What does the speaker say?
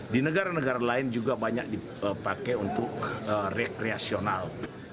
di negara negara lain juga banyak dipakai untuk rekreasional